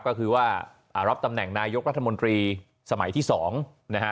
ก็คือว่ารับตำแหน่งนายกรัฐมนตรีสมัยที่๒นะฮะ